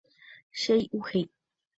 Chey'uhéi.